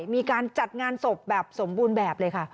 มีการจัดงานศพแบบสมบูรณ์แบบเลยค่ะ